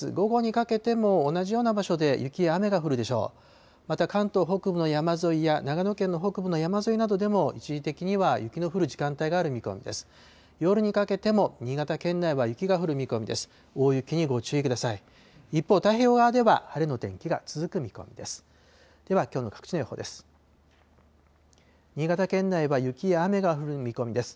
夜にかけても新潟県内は雪が降る見込みです。